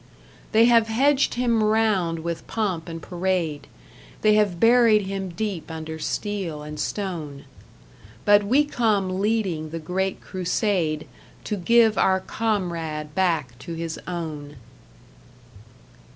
They have hedged him round with pomp and parade, They have buried him deep under steel and stone But we come leading the great Crusade To give our Comrade back to his own.